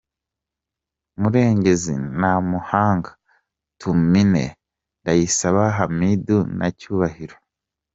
Murengezi, Ntamuhanga Tumene, Ndayisaba Hamidu na Cyubahiro.